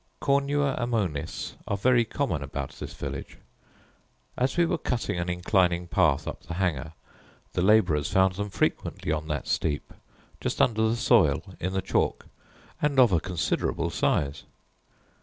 Cornua Ammonis are very common about this village. As we were cutting an inclining path up the Hanger, the labourers found them frequently on that steep, just under the soil, in the chalk, and of a considerable size.